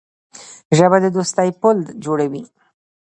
ژبه د دوستۍ پُل جوړوي